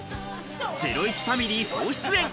ゼロイチファミリー総出演。